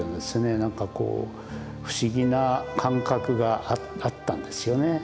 何かこう不思議な感覚があったんですよね。